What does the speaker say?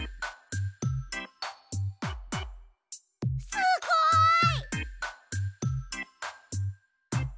すごい！